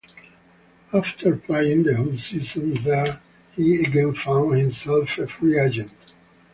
After playing the whole season there, he again found himself a free agent.